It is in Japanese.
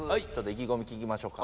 いきごみ聞きましょうか。